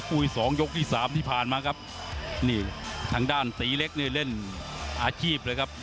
อีกสองยกที่สามที่ผ่านมาครับนี่ทางด้านตีเล็กนี่เล่นอาชีพเลยครับ